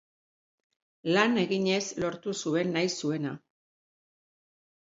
Lan eginez lortu zuen nahi zuena.